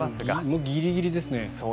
もうギリギリですね。